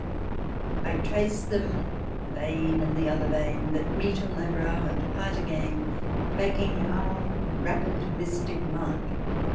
♦ I trace them the vein and the other vein That meet on thy brow and part again, Making our rapid mystic mark.